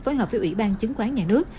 phối hợp với ủy ban chứng khoán nhà nước